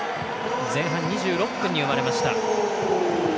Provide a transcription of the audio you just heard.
前半２６分に生まれました。